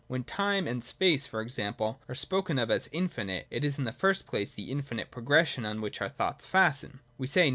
When time and space, for example, are spoken of as infinite, it is in the first place the infinite progression on which our thoughts fasten. We say.